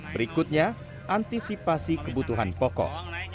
berikutnya antisipasi kebutuhan pokok